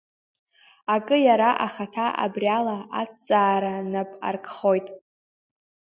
Акы, иара ахаҭа абри ала аҭҵаара нап аркхоит…